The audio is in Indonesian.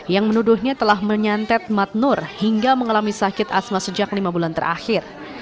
yang menuduhnya telah menyantet matnur hingga mengalami sakit asma sejak lima bulan terakhir